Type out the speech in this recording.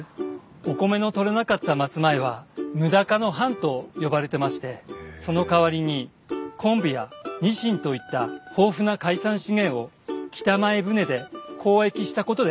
お米の取れなかった松前は無高の藩と呼ばれてましてそのかわりに昆布やニシンといった豊富な海産資源を北前船で交易したことで栄えたんです。